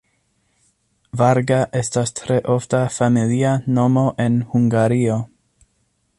Varga estas tre ofta familia nomo en Hungario.